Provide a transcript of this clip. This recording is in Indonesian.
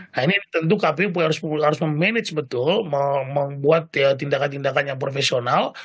nah ini tentu kpu harus memanage betul membuat tindakan tindakan yang profesional